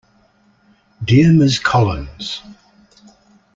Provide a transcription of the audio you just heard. Dear Ms Collins.